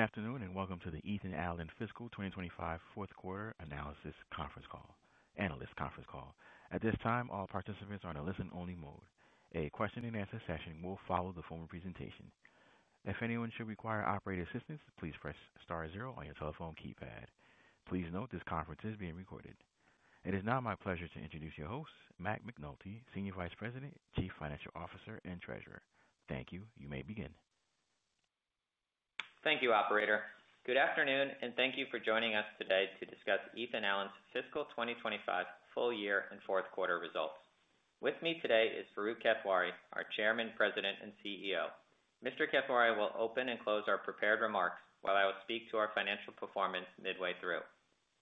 Good afternoon and welcome to the Ethan Allen Fiscal 2025 Fourth Quarter Analysis Conference Call. At this time, all participants are in a listen-only mode. A question-and-answer session will follow the formal presentation. If anyone should require operating assistance, please press star zero on your telephone keypad. Please note this conference is being recorded. It is now my pleasure to introduce your host, Matt McNulty, Senior Vice President, Chief Financial Officer, and Treasurer. Thank you. You may begin. Thank you, Operator. Good afternoon, and thank you for joining us today to discuss Ethan Allen's Fiscal 2025 full-year and fourth quarter results. With me today is Farooq Kathwari, our Chairman, President, and CEO. Mr. Kathwari will open and close our prepared remarks while I will speak to our financial performance midway through.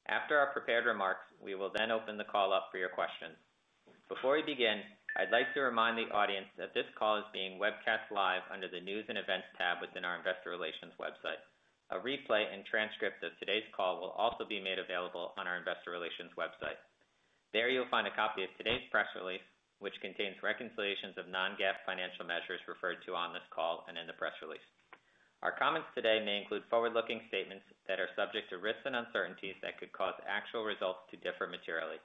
After our prepared remarks, we will then open the call up for your questions. Before we begin, I'd like to remind the audience that this call is being webcast live under the News and Events tab within our Investor Relations website. A replay and transcript of today's call will also be made available on our Investor Relations website. There you'll find a copy of today's press release, which contains reconciliations of non-GAAP financial measures referred to on this call and in the press release. Our comments today may include forward-looking statements that are subject to risks and uncertainties that could cause actual results to differ materially.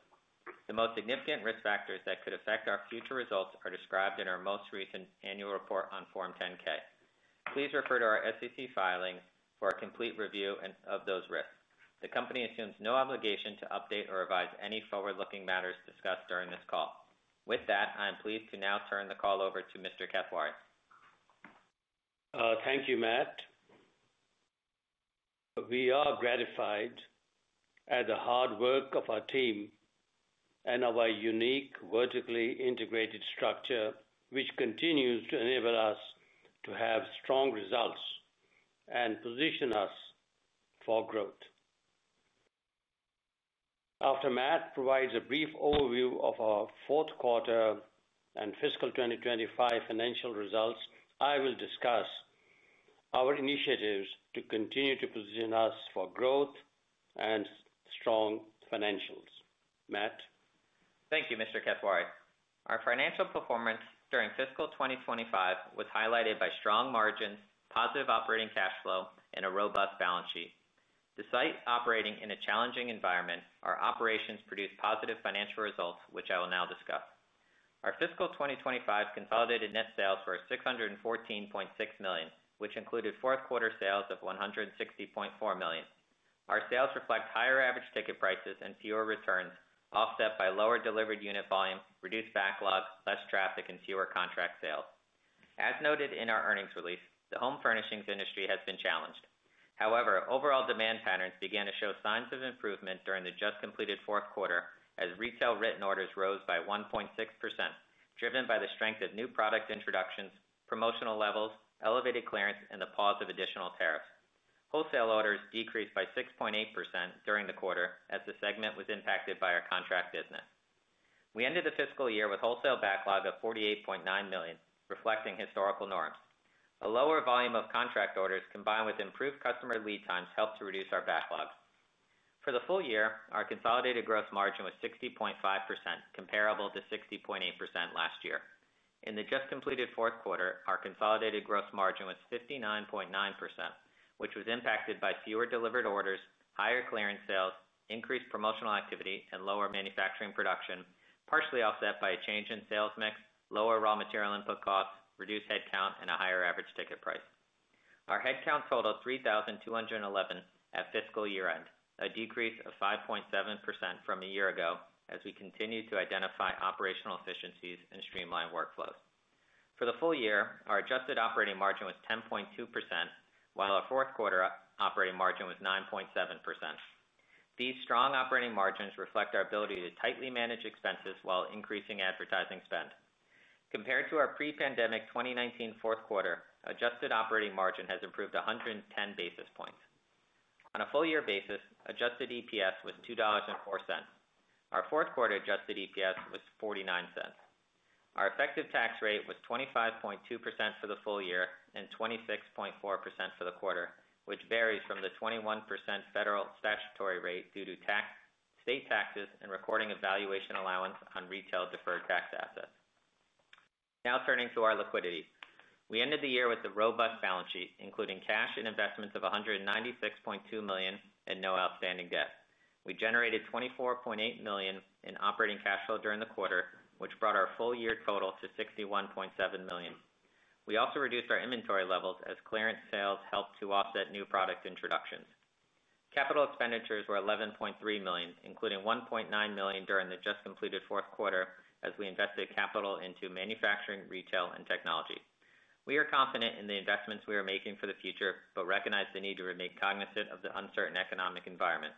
The most significant risk factors that could affect our future results are described in our most recent annual report on Form 10-K. Please refer to our SEC filing for a complete review of those risks. The company assumes no obligation to update or revise any forward-looking matters discussed during this call. With that, I am pleased to now turn the call over to Mr. Kathwari. Thank you, Matt. We are gratified at the hard work of our team and our unique vertically integrated structure, which continues to enable us to have strong results and position us for growth. After Matt provides a brief overview of our fourth quarter and fiscal 2025 financial results, I will discuss our initiatives to continue to position us for growth and strong financials. Matt? Thank you, Mr. Kathwari. Our financial performance during Fiscal 2025 was highlighted by strong margins, positive operating cash flow, and a robust balance sheet. Despite operating in a challenging environment, our operations produced positive financial results, which I will now discuss. Our Fiscal 2025 consolidated net sales were $614.6 million, which included fourth quarter sales of $160.4 million. Our sales reflect higher average ticket prices and fewer returns, offset by lower delivered unit volume, reduced backlog, less traffic, and fewer contract sales. As noted in our earnings release, the home furnishings industry has been challenged. However, overall demand patterns began to show signs of improvement during the just completed fourth quarter as retail written orders rose by 1.6%, driven by the strength of new product introductions, promotional levels, elevated clearance, and the pause of additional tariffs. Wholesale orders decreased by 6.8% during the quarter as the segment was impacted by our contract business. We ended the fiscal year with a wholesale backlog of $48.9 million, reflecting historical norms. A lower volume of contract orders combined with improved customer lead times helped to reduce our backlogs. For the full year, our consolidated gross margin was 60.5%, comparable to 60.8% last year. In the just completed fourth quarter, our consolidated gross margin was 59.9%, which was impacted by fewer delivered orders, higher clearance sales, increased promotional activity, and lower manufacturing production, partially offset by a change in sales mix, lower raw material input costs, reduced headcount, and a higher average ticket price. Our headcount totaled 3,211 at fiscal year end, a decrease of 5.7% from a year ago as we continued to identify operational efficiencies and streamline workflows. For the full year, our adjusted operating margin was 10.2%, while our fourth quarter operating margin was 9.7%. These strong operating margins reflect our ability to tightly manage expenses while increasing advertising spend. Compared to our pre-pandemic 2019 fourth quarter, adjusted operating margin has improved 110 basis points. On a full-year basis, adjusted EPS was $2.04. Our fourth quarter adjusted EPS was $0.49. Our effective tax rate was 25.2% for the full year and 26.4% for the quarter, which varies from the 21% federal statutory rate due to state taxes and recording a valuation allowance on retail deferred tax assets. Now turning to our liquidity, we ended the year with a robust balance sheet, including cash and investments of $196.2 million and no outstanding debt. We generated $24.8 million in operating cash flow during the quarter, which brought our full-year total to $61.7 million. We also reduced our inventory levels as clearance sales helped to offset new product introductions. Capital expenditures were $11.3 million, including $1.9 million during the just completed fourth quarter as we invested capital into manufacturing, retail, and technology. We are confident in the investments we are making for the future, but recognize the need to remain cognizant of the uncertain economic environment.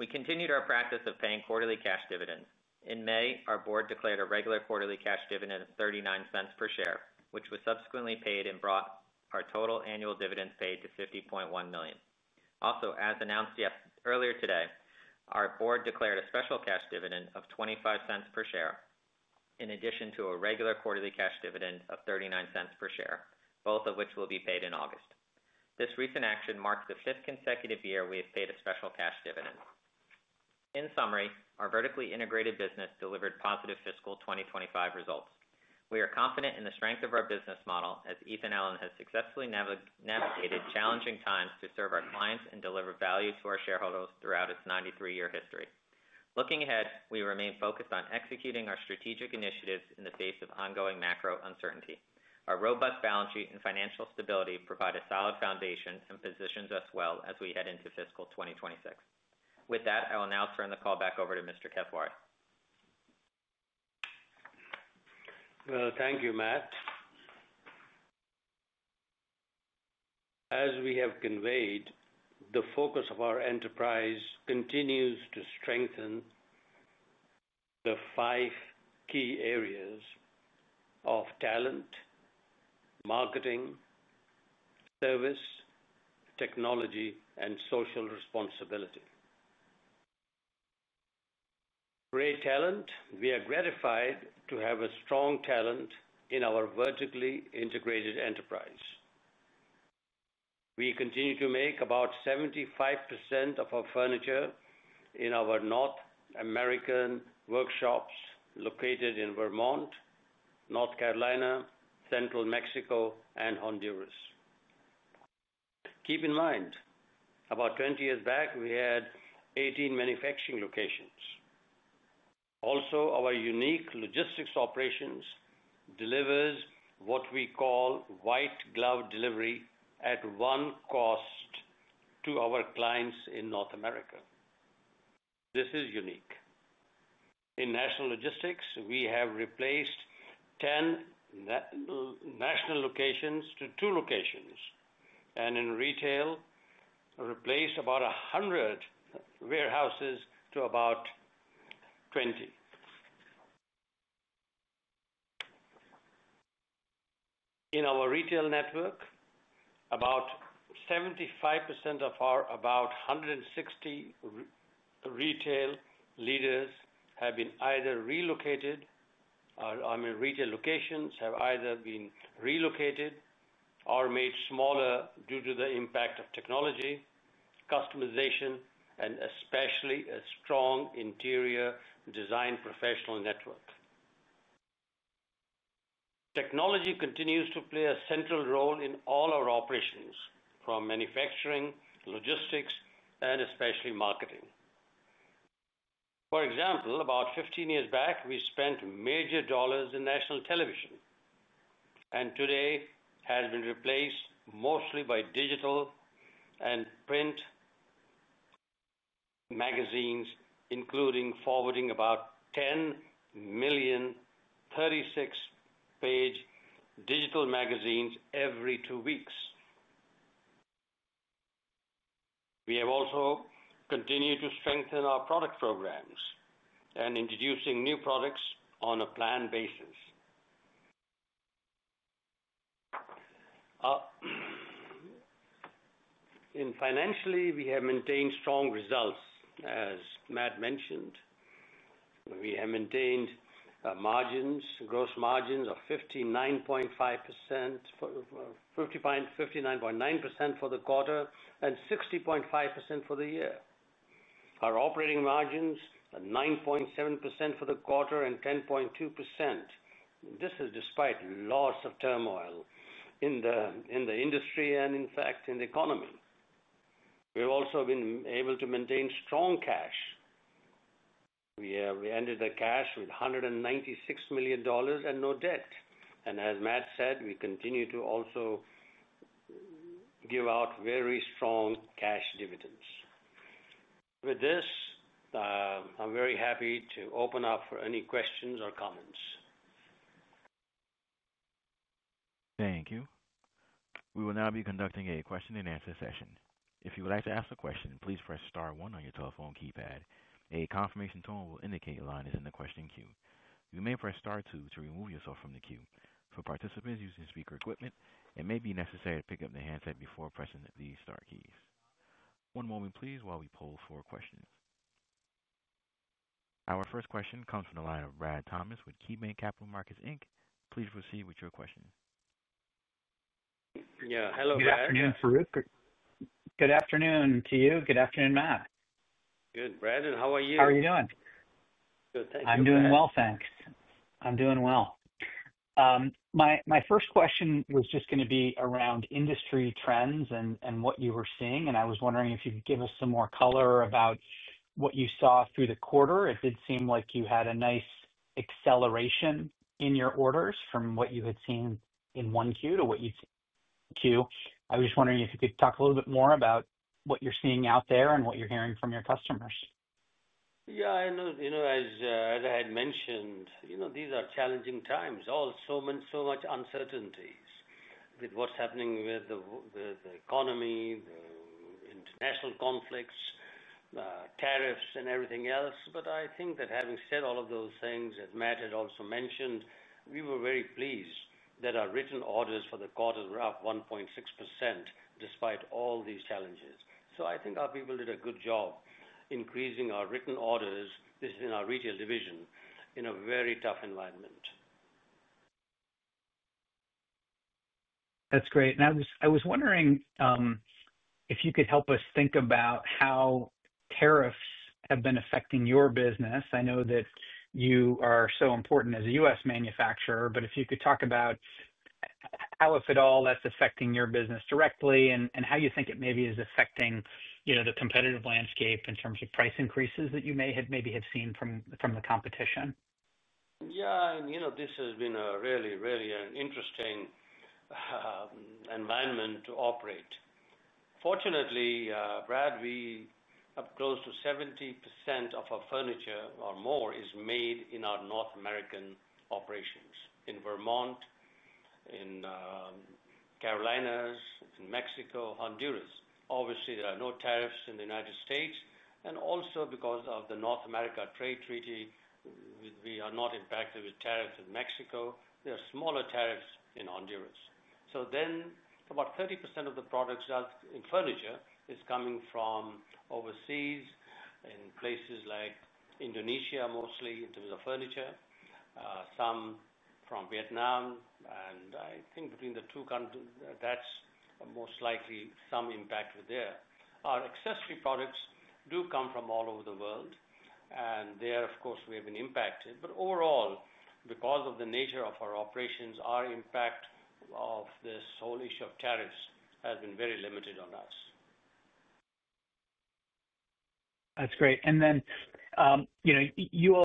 We continued our practice of paying quarterly cash dividends. In May, our board declared a regular quarterly cash dividend of $0.39 per share, which was subsequently paid and brought our total annual dividends paid to $50.1 million. Also, as announced earlier today, our board declared a special cash dividend of $0.25 per share, in addition to a regular quarterly cash dividend of $0.39 per share, both of which will be paid in August. This recent action marks the fifth consecutive year we have paid a special cash dividend. In summary, our vertically integrated business delivered positive fiscal 2025 results. We are confident in the strength of our business Ethan Allen has successfully navigated challenging times to serve our clients and deliver value to our shareholders throughout its 93-year history. Looking ahead, we remain focused on executing our strategic initiatives in the face of ongoing macro uncertainty. Our robust balance sheet and financial stability provide a solid foundation and position us well as we head into fiscal 2026. With that, I will now turn the call back over to Mr. Kathwari. Thank you, Matt. As we have conveyed, the focus of our enterprise continues to strengthen the five key areas of talent, marketing, service, technology, and social responsibility. Great talent. We are gratified to have a strong talent in our vertically integrated enterprise. We continue to make about 75% of our furniture in our North American workshops located in Vermont, North Carolina, Central Mexico, and Honduras. Keep in mind, about 20 years back, we had 18 manufacturing locations. Also, our unique logistics operations deliver what we call white-glove delivery at one cost to our clients in North America. This is unique. In national logistics, we have replaced 10 national locations to 2 locations, and in retail, replaced about 100 warehouses to about 20. In our retail network, about 75% of our about 160 retail locations have either been relocated or made smaller due to the impact of technology, customization, and especially a strong interior design professional network. Technology continues to play a central role in all our operations, from manufacturing, logistics, and especially marketing. For example, about 15 years back, we spent major dollars in national television, and today has been replaced mostly by digital and print magazines, including forwarding about 10 million 36-page digital magazines every two weeks. We have also continued to strengthen our product programs and introducing new products on a planned basis. Financially, we have maintained strong results. As Matt mentioned, we have maintained gross margins of 59.9% for the quarter and 60.5% for the year. Our operating margins are 9.7% for the quarter and 10.2%. This is despite lots of turmoil in the industry and, in fact, in the economy. We have also been able to maintain strong cash. We ended the cash with $196 million and no debt. As Matt said, we continue to also give out very strong cash dividends. With this, I'm very happy to open up for any questions or comments. Thank you. We will now be conducting a question-and-answer session. If you would like to ask a question, please press star one on your telephone keypad. A confirmation tone will indicate your line is in the question queue. You may press star two to remove yourself from the queue. For participants using speaker equipment, it may be necessary to pick up the handset before pressing the star keys. One moment, please, while we poll for questions. Our first question comes from the line of Brad Thomas with KeyBanc Capital Markets Inc. Please proceed with your question. Hello, Brad. Good afternoon, Farooq. Good afternoon to you. Good afternoon, Matt. Good. Brad, how are you? How are you doing? Good. Thanks. I'm doing well, thanks. My first question was just going to be around industry trends and what you were seeing. I was wondering if you could give us some more color about what you saw through the quarter. It did seem like you had a nice acceleration in your orders from what you had seen in 1Q to what you'd seen in 2Q. I was just wondering if you could talk a little bit more about what you're seeing out there and what you're hearing from your customers. Yeah. As I had mentioned, these are challenging times. There is so much uncertainty with what's happening with the economy, the international conflicts, tariffs, and everything else. I think that having said all of those things, as Matt had also mentioned, we were very pleased that our written orders for the quarter were up 1.6% despite all these challenges. I think our people did a good job increasing our written orders. This is in our retail division in a very tough environment. That's great. I was wondering if you could help us think about how tariffs have been affecting your business. I know that you are so important as a U.S. manufacturer, but if you could talk about how, if at all, that's affecting your business directly and how you think it maybe is affecting the competitive landscape in terms of price increases that you may have seen from the competition. Yeah, this has been a really, really interesting environment to operate. Fortunately, Brad, we have close to 70% of our furniture or more made in our North American operations in Vermont, in the Carolinas, in Central Mexico, and Honduras. Obviously, there are no tariffs in the U.S. Also, because of the North America trade treaty, we are not impacted with tariffs in Central Mexico. There are smaller tariffs in Honduras. About 30% of the products in furniture is coming from overseas in places like Indonesia, mostly in terms of furniture, some from Vietnam. I think between the two countries, that's most likely some impact there. Our decorative accessories do come from all over the world. There, of course, we have been impacted. Overall, because of the nature of our operations, our impact of this whole issue of tariffs has been very limited on us. That's great. You all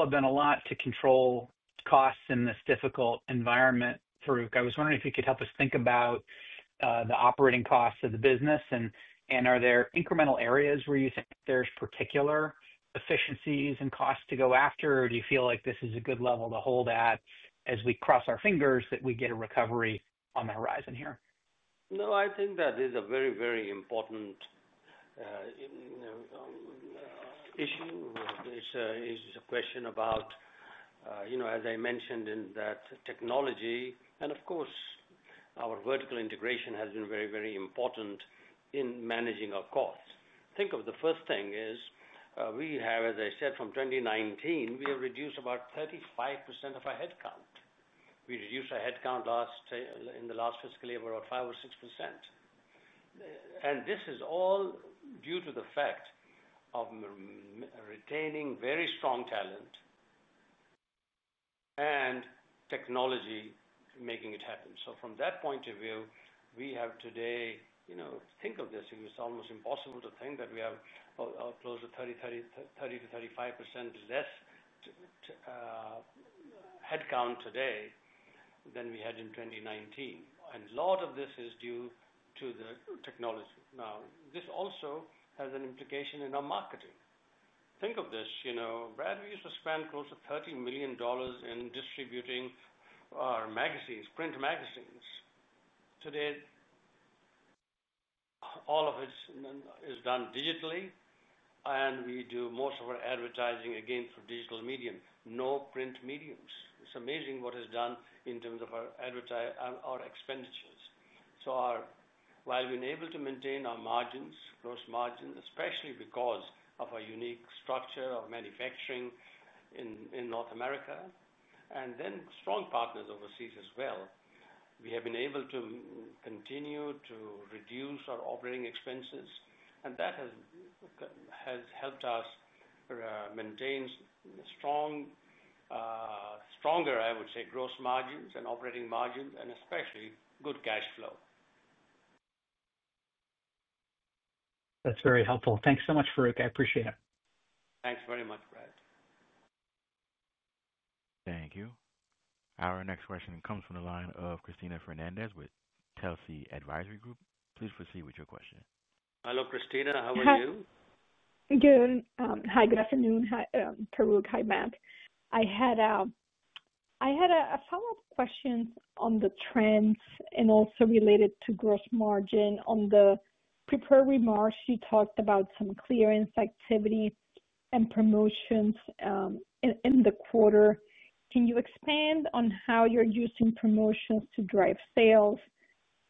have done a lot to control costs in this difficult environment, Farooq. I was wondering if you could help us think about the operating costs of the business. Are there incremental areas where you think there's particular efficiencies and costs to go after, or do you feel like this is a good level to hold at as we cross our fingers that we get a recovery on the horizon here? No, I think that is a very, very important issue. It's a question about, you know, as I mentioned in that technology. Of course, our vertical integration has been very, very important in managing our costs. Think of the first thing is we have, as I said, from 2019, we have reduced about 35% of our headcount. We reduced our headcount in the last fiscal year by about 5% or 6%. This is all due to the fact of retaining very strong talent and technology making it happen. From that point of view, we have today, you know, think of this. It's almost impossible to think that we have close to 30%-35% less headcount today than we had in 2019. A lot of this is due to the technology. This also has an implication in our marketing. Think of this. You know, Brad, we used to spend close to $30 million in distributing our magazines, print magazines. Today, all of it is done digitally, and we do most of our advertising again through digital medium, no print mediums. It's amazing what is done in terms of our expenditures. While we've been able to maintain our margins, gross margins, especially because of our unique structure of manufacturing in North America, and then strong partners overseas as well, we have been able to continue to reduce our operating expenses. That has helped us maintain stronger, I would say, gross margins and operating margins, and especially good cash flow. That's very helpful. Thanks so much, Farooq. I appreciate it. Thanks very much, Brad. Thank you. Our next question comes from the line of Cristina Fernández with Telsey Advisory Group. Please proceed with your question. Hello, Cristina. How are you? Hi, good afternoon. Hi, Farooq. Hi, Matt. I had a follow-up question on the trends and also related to gross margin. On the prepared remarks, you talked about some clearance activity and promotions in the quarter. Can you expand on how you're using promotions to drive sales?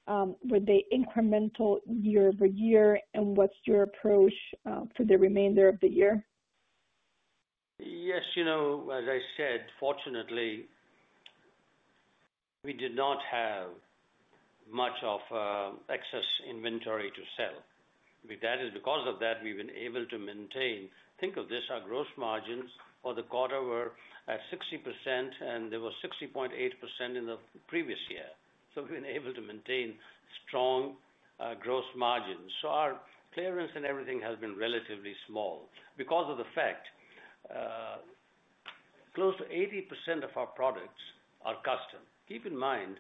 Were they incremental year over year? What's your approach for the remainder of the year? Yes. As I said, fortunately, we did not have much of an excess inventory to sell. That is because of that, we've been able to maintain. Think of this. Our gross margins for the quarter were at 60%, and they were 60.8% in the previous year. We've been able to maintain strong gross margins. Our clearance and everything has been relatively small because of the fact close to 80% of our products are custom. Keep in mind,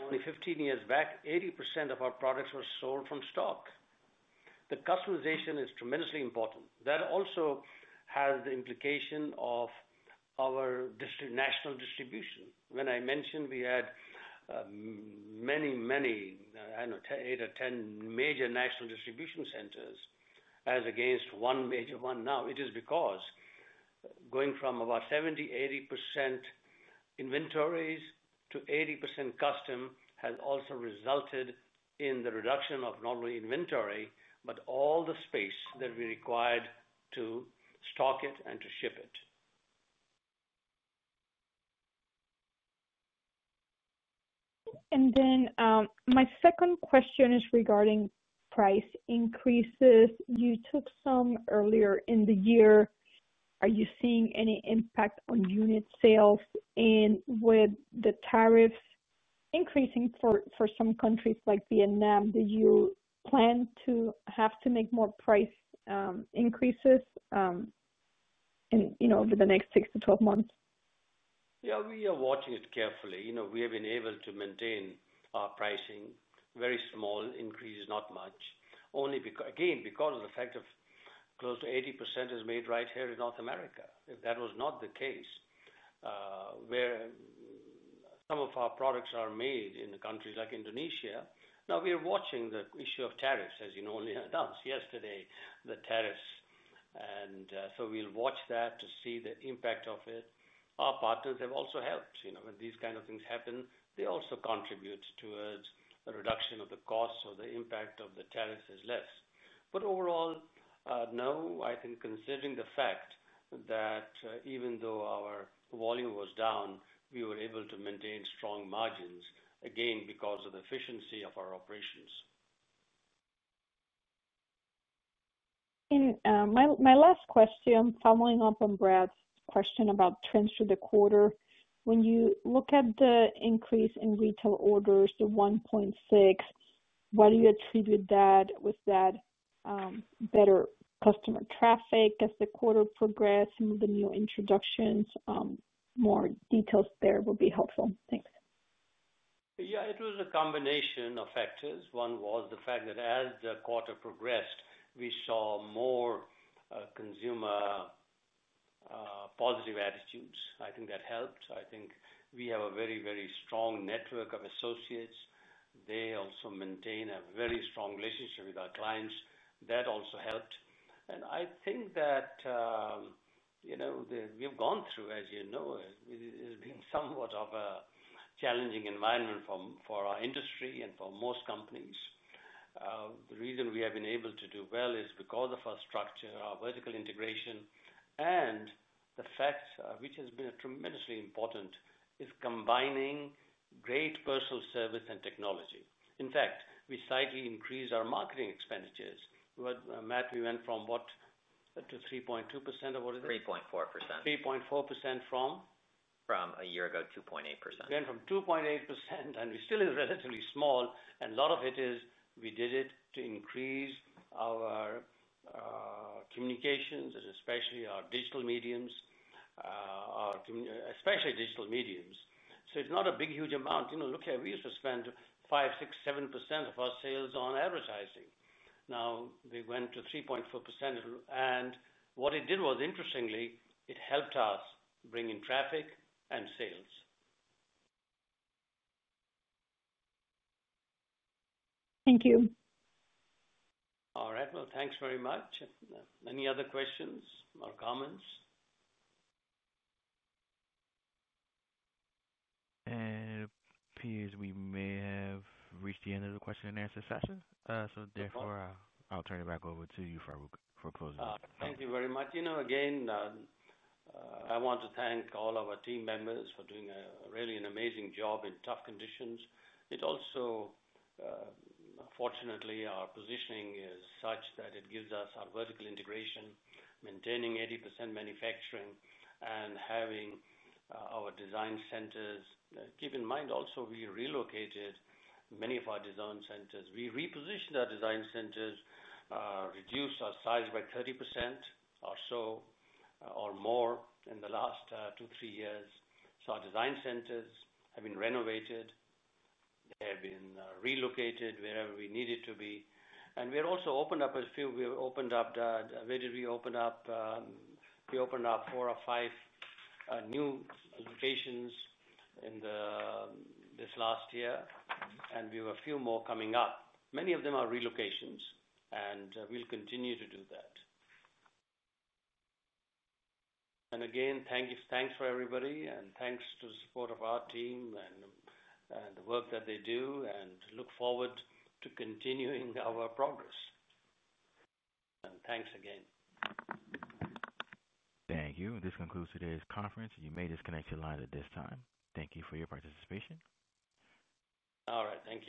only 15 years back, 80% of our products were sold from stock. The customization is tremendously important. That also has the implication of our national distribution. When I mentioned we had many, many, I don't know, eight or 10 major national distribution centers as against one major one. Now, it is because going from about 70%, 80% inventories to 80% custom has also resulted in the reduction of not only inventory, but all the space that we required to stock it and to ship it. My second question is regarding price increases. You took some earlier in the year. Are you seeing any impact on unit sales? With the tariffs increasing for some countries like Vietnam, do you plan to have to make more price increases over the next 6 to 12 months? Yeah, we are watching it carefully. You know, we have been able to maintain our pricing, very small increases, not much. Only because, again, because of the fact that close to 80% is made right here in North America. If that was not the case, where some of our products are made in countries like Indonesia, now we are watching the issue of tariffs, as you know, only announced yesterday, the tariffs. We will watch that to see the impact of it. Our partners have also helped. You know, when these kinds of things happen, they also contribute towards a reduction of the cost, so the impact of the tariffs is less. Overall, no, I think considering the fact that even though our volume was down, we were able to maintain strong margins, again, because of the efficiency of our operations. My last question, following up on Brad's question about trends through the quarter. When you look at the increase in retail orders to $1.6 million, why do you attribute that with that better customer traffic as the quarter progressed? Some of the new introductions, more details there would be helpful. Thanks. Yeah, it was a combination of factors. One was the fact that as the quarter progressed, we saw more consumer positive attitudes. I think that helped. I think we have a very, very strong network of associates. They also maintain a very strong relationship with our clients. That also helped. I think that, you know, we've gone through, as you know, it's been somewhat of a challenging environment for our industry and for most companies. The reason we have been able to do well is because of our structure, our vertically integrated business model, and the fact, which has been tremendously important, is combining great personal service and technology. In fact, we slightly increased our marketing expenditures. Matt, we went from what to 3.2% of what is it? 3.4%. 3.4% from? From a year ago, 2.8%. We went from 2.8%, and we still are relatively small. A lot of it is we did it to increase our communications and especially our digital mediums, especially digital mediums. It's not a big, huge amount. You know, look here, we used to spend 5%, 6%, 7% of our sales on advertising. Now we went to 3.4%. What it did was, interestingly, it helped us bring in traffic and sales. Thank you. All right. Thank you very much. Any other questions or comments? It appears we may have reached the end of the question-and-answer session. Therefore, I'll turn it back over to you, Farooq, for closing the session. Thank you very much. I want to thank all of our team members for doing really an amazing job in tough conditions. Fortunately, our positioning is such that it gives us our vertical integration, maintaining 80% manufacturing, and having our design centers. Keep in mind, we relocated many of our design centers. We repositioned our design centers, reduced our size by 30% or more in the last two, three years. Our design centers have been renovated. They have been relocated wherever we need it to be. We've also opened up a few. We opened up, where did we open up? We opened up four or five new locations in this last year, and we have a few more coming up. Many of them are relocations, and we'll continue to do that. Thank you. Thanks for everybody, and thanks to the support of our team and the work that they do. I look forward to continuing our progress. Thanks again. Thank you. This concludes today's conference. You may disconnect your lines at this time. Thank you for your participation. All right. Thank you.